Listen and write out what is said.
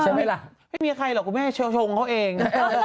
ใช่ไหมล่ะไม่มีใครหรอกกูไม่ให้ชงเขาเอง